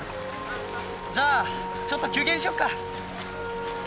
じゃあちょっと休憩にしようか。